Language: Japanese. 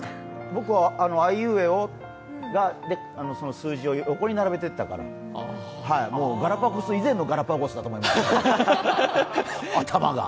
僕はあいうえおが、数字を横に並べていったから。もうガラパゴス以前のガラパゴスだと思います、頭が。